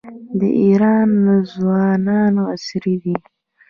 د ایران ځوانان عصري دي.